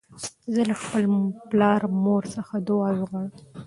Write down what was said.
زه له خپل پلار او مور څخه دؤعا غواړم.